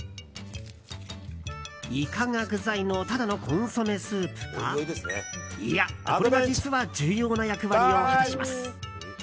イカが具材のただのコンソメスープかいや、これが実は重要な役割を果たします。